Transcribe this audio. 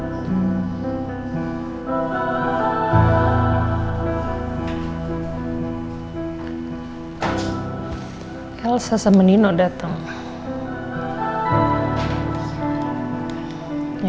tetapi oplos kadang di luar negeri rana iaitu anaknya